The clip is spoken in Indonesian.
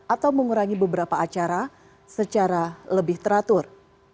atau mengurangi beberapa acara secara lebih teratur